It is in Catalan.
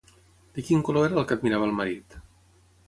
De quin color era el que admirava el marit?